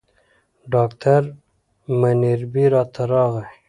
ډاکټر منیربې راته راغی.